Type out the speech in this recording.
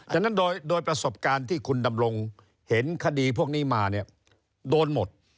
ดังนั้นโดยประสบการณ์ที่คุณดำรงเห็นคดีพวกนี้มาเนี่ยโดนหมด